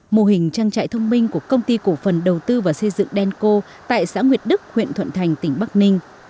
mô hình trang trại thông minh của công ty cổ phần đầu tư và xây dựng đen co tại xã nguyệt đức huyện thuận thành tỉnh bắc ninh